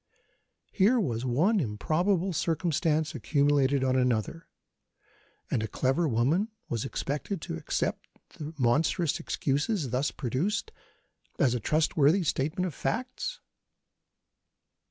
Here was one improbable circumstance accumulated on another, and a clever woman was expected to accept the monstrous excuses, thus produced, as a trustworthy statement of facts.